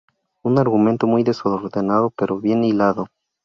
Un argumento muy desordenado pero bien hilado.